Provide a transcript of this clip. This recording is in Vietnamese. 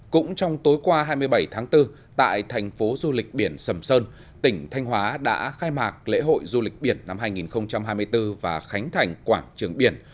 cũng trong tối qua hai mươi bảy tháng bốn tại thành phố du lịch biển sầm sơn tỉnh thanh hóa đã khai mạc lễ hội du lịch biển năm hai nghìn hai mươi bốn và khánh thành quảng trường biển